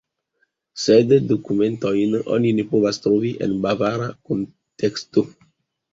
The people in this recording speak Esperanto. Sed dokumentojn oni ne povas trovi en bavara kunteksto.